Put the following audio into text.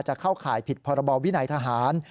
เข้าข่ายผิดพรบวินัยทหาร